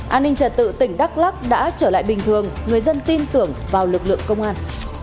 an ninh trật tự tỉnh đắk lắc đã trở lại bình thường người dân tin tưởng vào lực lượng công an